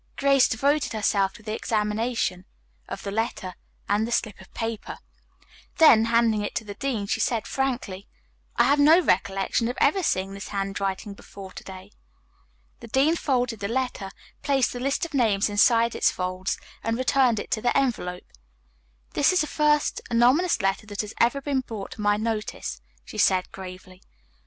Grace devoted herself to the examination of the letter and the slip of paper. Then, handing it to the dean, she said frankly: "I have no recollection of having seen this handwriting before to day." The dean folded the letter, placed the list of names inside its folds and returned it to the envelope. "This is the first anonymous letter that has ever been brought to my notice," she said gravely.